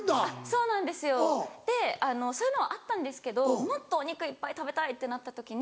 そうなんですよそういうのはあったんですけどもっとお肉いっぱい食べたいってなった時に。